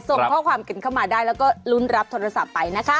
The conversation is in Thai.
ส่งข้อความกันเข้ามาได้แล้วก็ลุ้นรับโทรศัพท์ไปนะคะ